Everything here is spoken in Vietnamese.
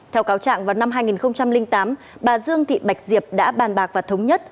theo cáo trạng vào năm hai nghìn tám bà dương thị bạch diệp đã bàn bạc và thống nhất